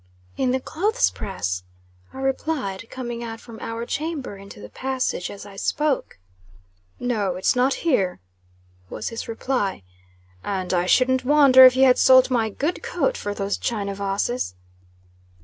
"In the clothes press," I replied, coming out from our chamber into the passage, as I spoke. "No; it's not here," was his reply. "And, I shouldn't wonder if you had sold my good coat for those china vases."